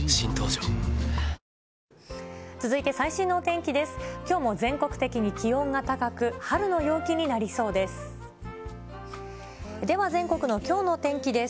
きょうも全国的に気温が高く、春の陽気になりそうです。